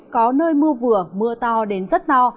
có nơi mưa vừa mưa to đến rất to